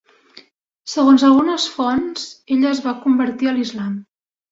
Segons algunes fonts, ella es va convertir a l'Islam.